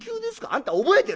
あんた